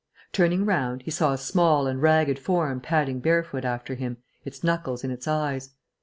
Turning round, he saw a small and ragged form padding barefoot after him, its knuckles in its eyes.